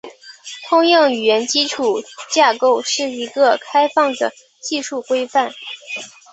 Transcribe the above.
通用语言基础架构是一个开放的技术规范。